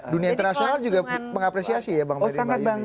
dunia internasional juga mengapresiasi ya bang ferry